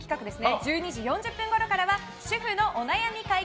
１２時４０分ごろからは主婦のお悩み解決！